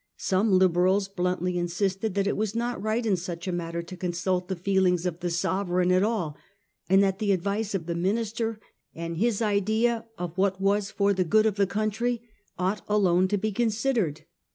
Some Liberals bluntly insisted that it was not right in such a matter to consult the feel ings of the Sovereign at all, and that the advice of the minister, and his idea of what was for the good of the country, ought alone to be considered.